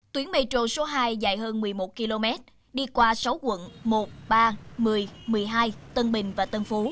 tuyến metro số hai dài hơn một mươi một km đi qua sáu quận một ba một mươi một mươi hai tân bình và tân phú